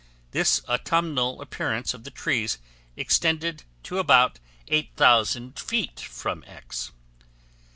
This autumnal appearance of the trees extended to about 8,000 feet from X.